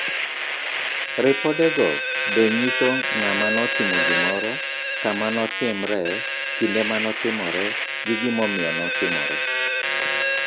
Ripodego be nyiso ng'ama notimo gimoro, kama notimree, kinde manotimore, gi gimomiyo notimore.